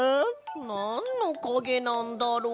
なんのかげなんだろう？